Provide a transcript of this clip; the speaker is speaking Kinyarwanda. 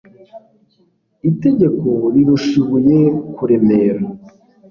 itegeko rirusha ibuye kuremera